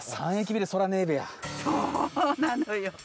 ・そうなのよ。